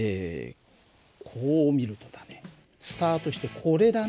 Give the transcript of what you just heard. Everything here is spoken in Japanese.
こう見るとだねスタートしてこれだね。